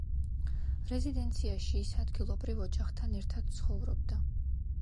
რეზიდენციაში ის ადგილობრივ ოჯახთან ერთად ცხოვრობდა.